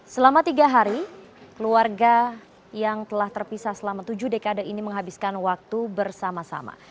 selama tiga hari keluarga yang telah terpisah selama tujuh dekade ini menghabiskan waktu bersama sama